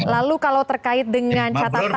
lalu kalau terkait dengan catatan